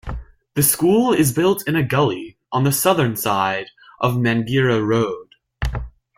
The school is built in a gully on the southern side of Mangere Road.